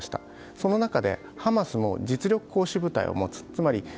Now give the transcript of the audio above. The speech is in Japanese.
その中で、ハマスも実力行使部隊を持つ。